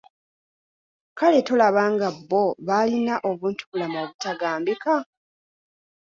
Kale tolaba nga bo baalina obuntubulamu obutagambika?